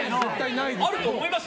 あると思います？